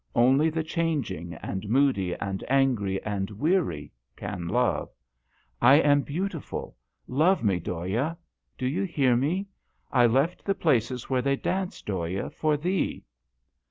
Only the changing, and moody, and angry, and weary can love. I am beautiful ; love me, Dhoya. Do you hear me ? I left the places where they dance, Dhoya, for thee